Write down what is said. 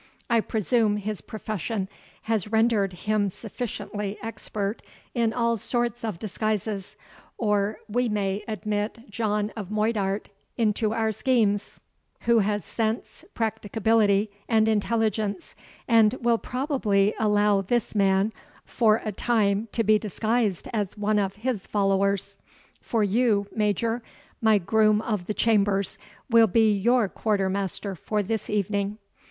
I presume his profession has rendered him sufficiently expert in all sort of disguises; or we may admit John of Moidart into our schemes, who has sense, practicability, and intelligence, and will probably allow this man for a time to be disguised as one of his followers. For you, Major, my groom of the chambers will be your quarter master for this evening."